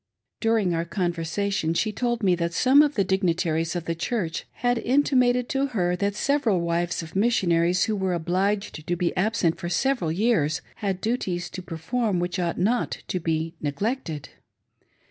During our conversation, she told me that some of the dig nitaries of the Church had intimated to her that the wives of Missionaries who were obliged to be absent for several years had duties to perform which ought not to be neglected.